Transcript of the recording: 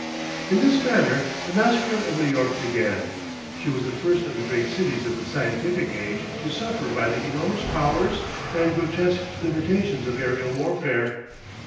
In this manner the massacre of New York began. She was the first of the great cities of the Scientific Age to suffer by the enormous powers and grotesque limitations of aerial warfare.